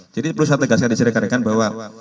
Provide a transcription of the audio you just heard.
jadi perlu saya tegaskan di sedeh karyakan bahwa